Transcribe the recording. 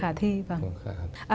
hoàn toàn khả thi